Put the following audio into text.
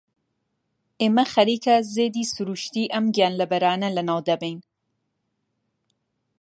ئێمە خەریکە زێدی سروشتیی ئەم گیانلەبەرانە لەناو دەبەین.